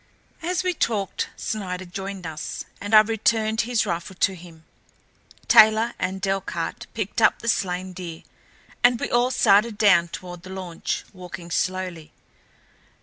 As we talked, Snider joined us, and I returned his rifle to him. Taylor and Delcarte picked up the slain deer, and we all started down toward the launch, walking slowly.